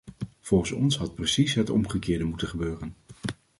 Volgens ons had precies het omgekeerde moeten gebeuren.